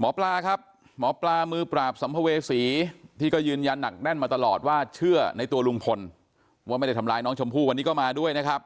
หมอปลาครับหมอปลามือปราบสัมภเวษีที่ก็ยืนยันหนักแน่นมาตลอดว่าเชื่อในตัวลุงพลว่าไม่ได้ทำร้ายน้องชมพู่วันนี้ก็มาด้วยนะครับ